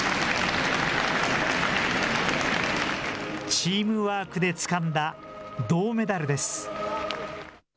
チームワークでつかんだ銅メダルです。